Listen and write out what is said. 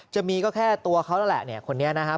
จะมีก็แค่ตัวเค้าแหละคนนี้ยาว